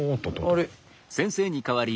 あれ？